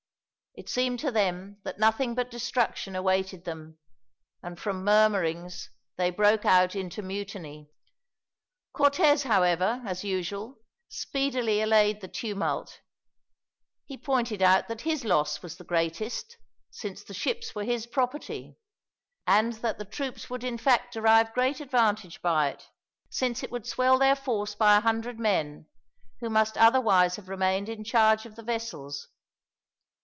It seemed to them that nothing but destruction awaited them, and from murmurings they broke out into mutiny. Cortez however, as usual, speedily allayed the tumult. He pointed out that his loss was the greatest, since the ships were his property; and that the troops would in fact derive great advantage by it, since it would swell their force by a hundred men, who must otherwise have remained in charge of the vessels.